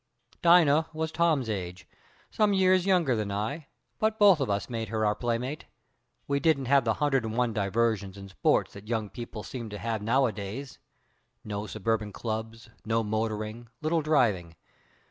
"Dina was Tom's age, some years younger than I, but both of us made her our playmate. We didn't have the hundred and one diversions and sports that young people seem to have nowadays no suburban clubs, no motoring, little driving.